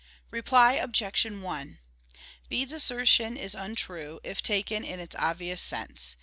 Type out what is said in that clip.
Reply Obj. 1: Bede's assertion is untrue, if taken in its obvious sense.